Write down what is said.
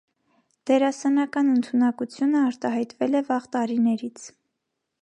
Դերասանական ընդունակությունը արտահայտվել է վաղ տարիներից։